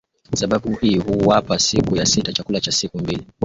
sababu hii huwapa siku ya sita chakula cha siku mbili kaeni kila mtu mahali